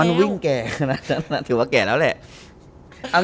มันวิ่งแก่ถือว่าแก่แล้วแหละ